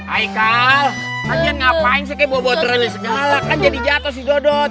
aikal ngapain sih kayak bobot bobot ini segala kan jadi jatoh si dodot